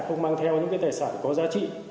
không mang theo những tài sản có giá trị